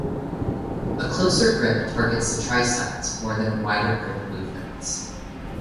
A closer grip targets the triceps more than wider grip movements.